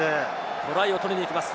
トライを取りに行きます。